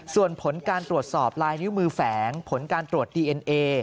ส่วนผลการตรวจสอบลายนิ้วมือแฝงผลการตรวจดีเอ็นเอ